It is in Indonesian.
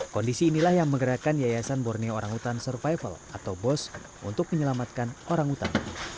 kondisi inilah yang menggerakkan yayasan borneo orangutan survival atau bos untuk menyelamatkan orangutan